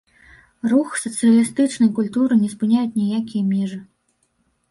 Рух сацыялістычнай культуры не спыняюць ніякія межы.